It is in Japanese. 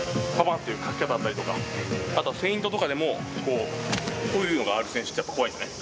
ッていうかけ方だったりとかあとはフェイントとかでもこうこういうのがある選手ってやっぱ怖いんですね